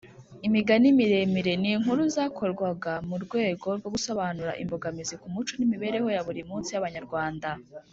Imigani miremire: ni nkuru zakorwaga murwego rwo gusobanura imbogamizi ku muco n’imibereho ya buri munsi y’abanyarwanda